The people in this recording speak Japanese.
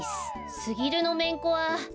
すぎるのめんこは。